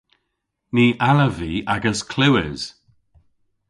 Ny allav vy agas klewes.